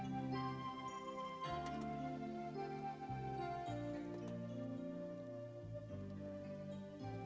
di setiap p testosteron masing masing di riyad